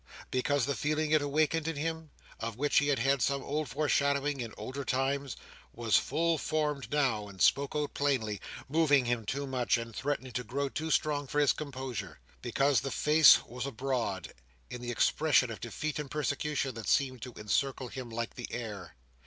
Because the feeling it awakened in him—of which he had had some old foreshadowing in older times—was full formed now, and spoke out plainly, moving him too much, and threatening to grow too strong for his composure. Because the face was abroad, in the expression of defeat and persecution that seemed to encircle him like the air.